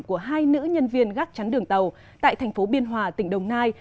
của hai nữ nhân viên gác chắn đường tàu tại thành phố biên hòa tỉnh đồng nai